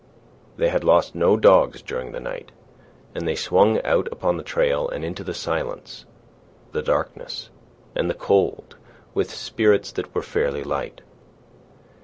They had lost no dogs during the night, and they swung out upon the trail and into the silence, the darkness, and the cold with spirits that were fairly light.